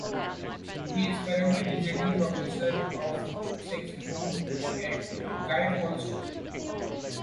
He is currently Visiting Professor of Saxophone at the Guildhall School.